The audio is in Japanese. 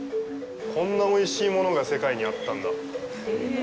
こんなおいしいものが世界にあったんだ。